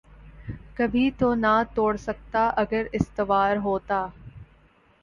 کبھی تو نہ توڑ سکتا اگر استوار ہوتا